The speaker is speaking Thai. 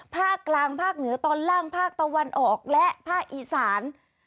ภาคกลางภาคเหนือตอนล่างภาคตะวันออกและภาคอีสาน